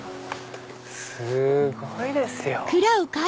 すごいですよ。